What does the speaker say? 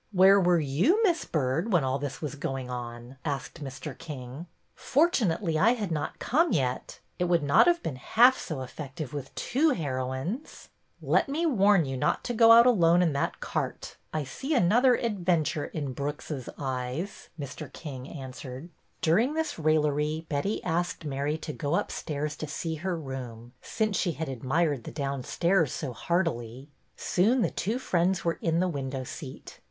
Where were you. Miss Byrd, when all this was going on ?" asked Mr. King. Fortunately I had not come yet. It would not have been half so effective with two heroines." Let me warn you not to go out alone in that cart. I see another adventure in Brooks's eyes," Mr. King answered. 128 BETTY BAIRD'S VENTURES During this raillery Betty asked Mary to go upstairs to see her room, since she had admired the downstairs so heartily. Soon the two friends were in the window seat.